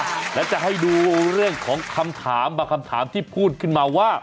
แล้วจะให้ดูเรื่องของคำถามบางคำถามที่พูดขึ้นมาว่า